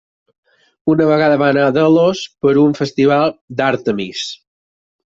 Una vegada va anar a Delos per un festival d'Àrtemis.